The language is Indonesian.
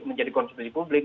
menjadi konsumsi publik